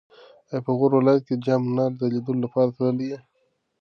ایا په غور ولایت کې د جام منار د لیدو لپاره تللی یې؟